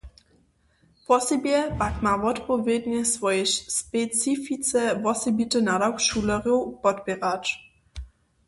Wosebje pak ma wotpowědnje swojej specifice wosebity nadawk, šulerjow podpěrać.